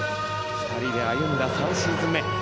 ２人で歩んだ３シーズン目。